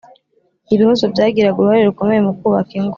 ibihozo byagiraga uruhare rukomeye mu kubaka ingo